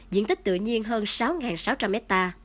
diện tích tự nhiên hơn sáu sáu trăm linh ha